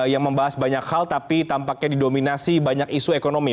yang membahas banyak hal tapi tampaknya didominasi banyak isu ekonomi